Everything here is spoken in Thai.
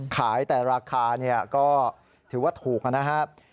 ขายแต่ราคาก็ถือว่าถูกนะครับ